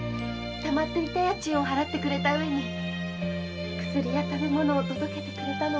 たまっていた家賃を払ってくれたうえに薬や食べ物を届けてくれたのも。